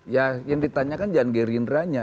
ya yang ditanyakan jangan gerindranya